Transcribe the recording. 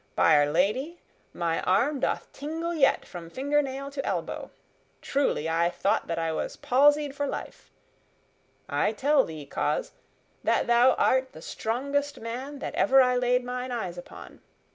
By'r Lady, my arm doth tingle yet from fingernail to elbow. Truly, I thought that I was palsied for life. I tell thee, coz, that thou art the strongest man that ever I laid mine eyes upon.